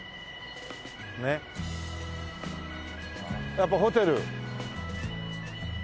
やっぱホテル。